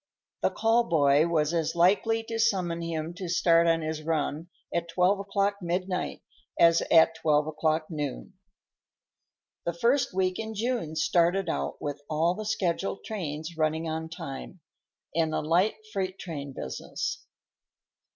The call boy was as likely to summon him to start on his run at twelve o'clock midnight as at twelve o'clock noon. The first week in June started out with all the scheduled trains running on time, and a light freight business.